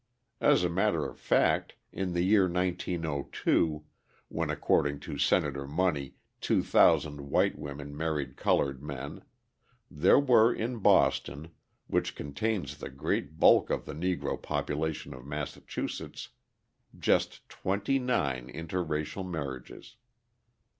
As a matter of fact, in the year 1902, when according to Senator Money, 2,000 white women married coloured men, there were in Boston, which contains the great bulk of the Negro population of Massachusetts, just twenty nine inter racial marriages.